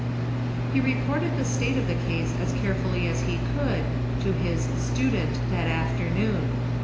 He reported the state of the case as carefully as he could to his " student " that afternoon.